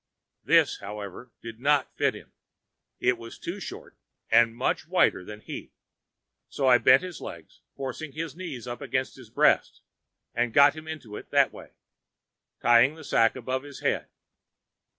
This, however, did not fit him; it was too short and much wider than he; so I bent his legs, forced his knees up against his breast and got him into it that way, tying the sack above his head.